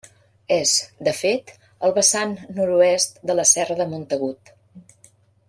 És, de fet, el vessant nord-oest de la Serra de Montagut.